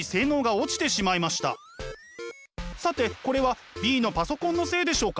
さてこれはＢのパソコンのせいでしょうか？